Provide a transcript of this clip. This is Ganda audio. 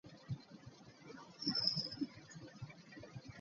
Olw’okubanga y’asoma n’agunjuka kati alaba nga wakitalo.